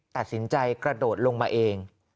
ตัดสินใจกระโดดลงมาเอง